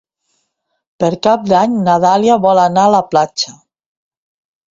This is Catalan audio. Per Cap d'Any na Dàlia vol anar a la platja.